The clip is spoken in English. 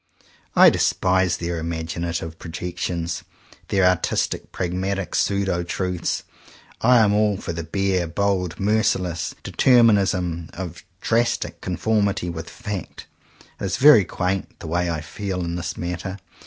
I despise their imag inative projections, their artistic, pragmatic pseudo truths. I am all for the bare, bold, merciless determinism of drastic conformity with fact. It is very quaint — the way I feel in this matter.